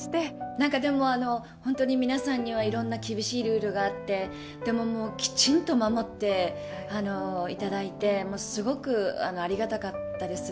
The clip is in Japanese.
なんかでも、本当に皆さんにはいろんな厳しいルールがあって、でももう、きちんと守っていただいて、すごくありがたかったです。